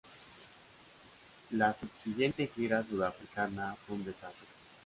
La subsiguiente gira sudafricana fue un desastre.